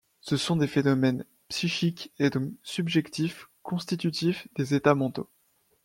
Ce sont des phénomènes psychiques et donc subjectifs, constitutifs des états mentaux.